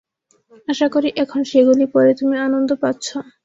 আশা করি, এখন সেগুলি পড়ে তুমি আনন্দ পাচ্ছ।